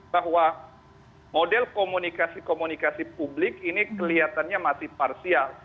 bahwa model komunikasi komunikasi publik ini kelihatannya masih parsial